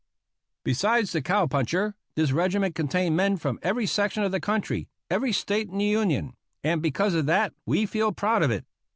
Besides the cowpuncher, this regiment contained men from every section of the country, every State in the Union, and because of that we feel proud of it.